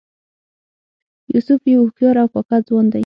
یوسف یو هوښیار او کاکه ځوان دی.